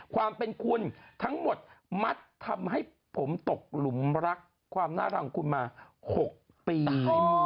ความเป็นคุณทั้งหมดมัดทำให้ผมตกหลุมรักความน่ารักของคุณมา๖ปี